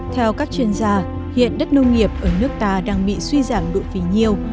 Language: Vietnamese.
theo các chuyên gia hiện đất nông nghiệp ở nước ta đang bị suy giảm độ phí nhiều